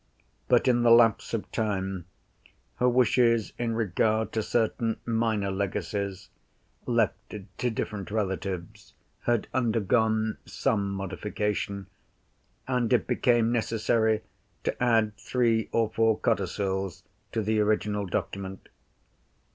But, in the lapse of time, her wishes in regard to certain minor legacies, left to different relatives, had undergone some modification; and it became necessary to add three or four Codicils to the original document.